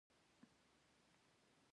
دده به زړه صبر شي.